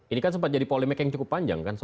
ini kan sempat jadi polemik yang cukup panjang kan